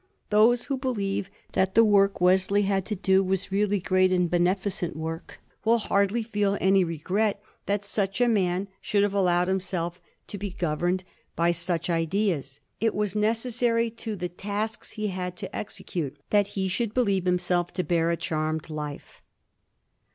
Those who believe that the work Wesley had to do was really great and beneficent work will hardly feel any regret that such a man should have allowed himself to be governed 136 A HISTORY OF THE FOUR GEORGES. ch.xxx. by such ideas. It was necessary to the tasks he had to execute that he should believe himself to bear a charmed life.